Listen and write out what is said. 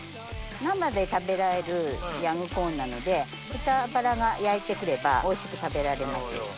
生で食べられるヤングコーンなので豚バラが焼いて来ればおいしく食べられます。